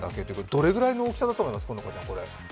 どれぐらいの大きさだと思いますか。